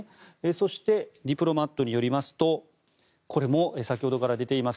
そして、「ディプロマット」によりますとこれも先ほどから出ています